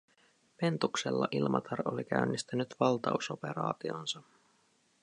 Ventuksella Ilmatar oli käynnistänyt valtausoperaationsa.